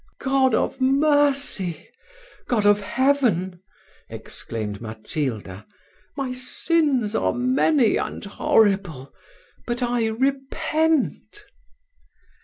"God of mercy! God of heaven!" exclaimed Matilda; "my sins are many and horrible, but I repent."